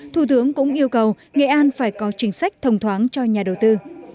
thủ tướng cũng yêu cầu nghệ an phải có chính sách thông thoáng cho nhà đầu tư